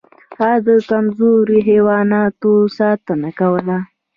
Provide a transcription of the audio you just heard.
هغه د کمزورو حیواناتو ساتنه کوله.